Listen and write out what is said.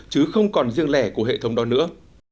chứ không còn riêng lẻ của hệ thống đó nữa